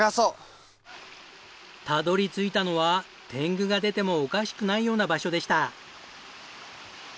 たどり着いたのは天狗が出てもおかしくないような場所でした。